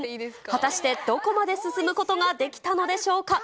果たしてどこまで進むことができたのでしょうか。